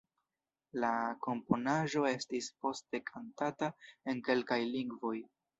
La komponaĵo estis poste kantata en kelkaj lingvoj.